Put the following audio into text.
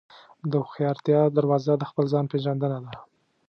د هوښیارتیا دروازه د خپل ځان پېژندنه ده.